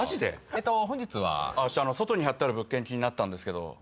えっと本日は外に貼ってある物件気になったんですけど